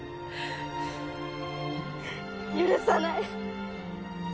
許さない！